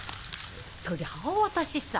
そりゃあ私さ。